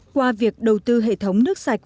qua việc đầu tư hệ thống nước sạch